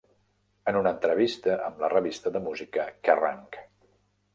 En una entrevista amb la revista de música Kerrang!